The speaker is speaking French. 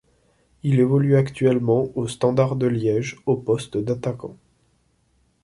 Il évolue actuellement au Standard de Liège au poste d'attaquant.